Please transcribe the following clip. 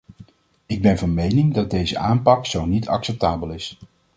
Ik ben van mening dat deze aanpak zo niet acceptabel is.